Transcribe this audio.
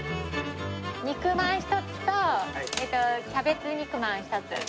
肉まん１つとキャベツ肉まん１つ。